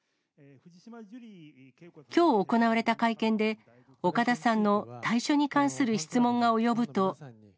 きょう行われた会見で、岡田さんの退所に関する質問が及ぶと。